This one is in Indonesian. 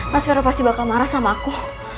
mas vero pasti bakal marah sama aku